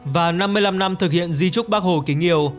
và năm mươi năm năm thực hiện di trúc bác hồ kính yêu